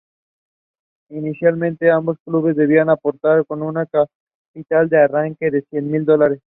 Inicialmente ambos clubes debían aportar con un capital de arranque de cien mil dólares.